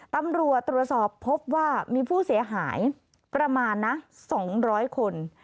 ตำรวจตรวจสอบพบว่ามีผู้เสียหายประมาณนะ๒๐๐คน